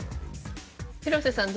廣瀬さん